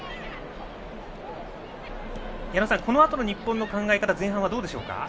矢野さん、このあとの日本の考え方はどうでしょうか？